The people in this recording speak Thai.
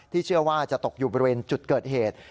เชื่อว่าจะตกอยู่บริเวณจุดเกิดเหตุ